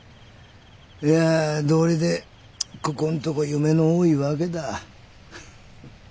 いや道理でここんとこ夢の多いわけだ。